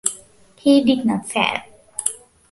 He did not fail.